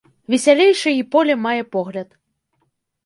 Весялейшы й поле мае погляд.